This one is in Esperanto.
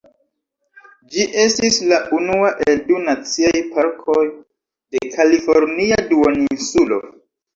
Ĝi estis la unua el du naciaj parkoj de Kalifornia Duoninsulo.